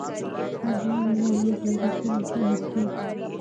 احمد او علي د یوه کلي خلک دي.